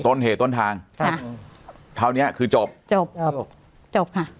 ต้นเหตุต้นทางครับคราวเนี้ยคือจบจบจบจบค่ะ